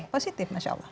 positif masya allah